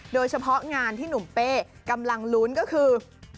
โดยเฉพาะงานที่หนุ่มเป้กำลังลุ้นก็คือ